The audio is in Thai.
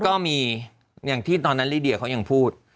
ก็มีอย่างที่ตอนนั้นลิเดียเขายังพูด